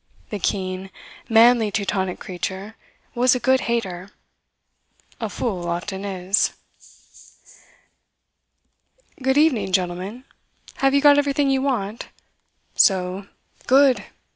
The keen, manly Teutonic creature was a good hater. A fool often is. "Good evening, gentlemen. Have you got everything you want? So! Good!